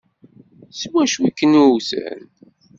S wacu i ken-wwten?